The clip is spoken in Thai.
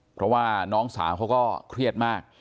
เพราะว่าน้องสาวเขาก็เครียดมาก